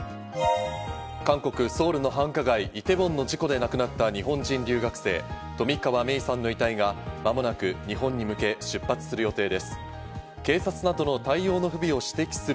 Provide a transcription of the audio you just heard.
韓国・ソウルの繁華街イテウォンの事故で亡くなった日本人留学生、冨川芽生さんの遺体が間もなく、日本に向け、出発する予定です。